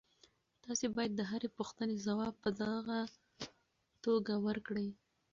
تاسي باید د هرې پوښتنې ځواب په غوڅه توګه ورکړئ.